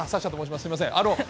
すみません。